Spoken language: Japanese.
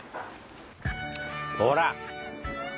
ほら！